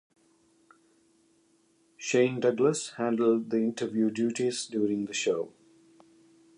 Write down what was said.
Shane Douglas handled the interview duties during the show.